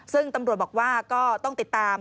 ซึ่งตำรวจบอกว่าก็ต้องติดตาม